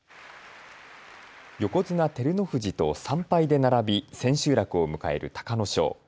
横綱・照ノ富士と３敗で並び千秋楽を迎える隆の勝。